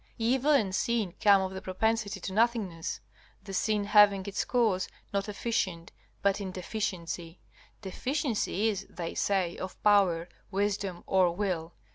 Evil and sin come of the propensity to nothingness; the sin having its cause not efficient, but in deficiency. Deficiency is, they say, of power, wisdom, or will.